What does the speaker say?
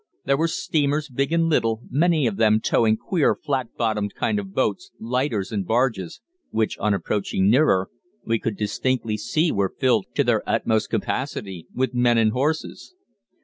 There were steamers big and little, many of them towing queer flat bottomed kind of boats, lighters, and barges, which, on approaching nearer, we could distinctly see were filled to their utmost capacity with men and horses.